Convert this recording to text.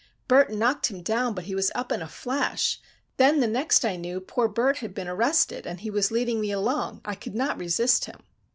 Bert knocked him down, but he was up in a flash—then the next I knew poor Bert had been arrested and he was leading me along—I could not resist him."